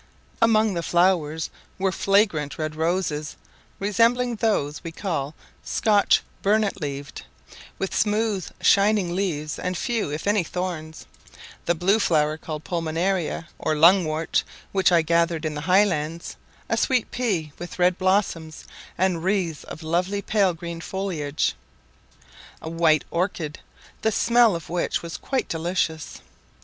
Among the flowers were fragrant red roses, resembling those we call Scotch burnet leaved, with smooth shining leaves and few if any thorns; the blue flower called Pulmonaria or Lungwort, which I gathered in the Highlands, a sweet pea, with red blossoms and wreaths of lovely pale green foliage; a white orchis, the smell of which was quite delicious.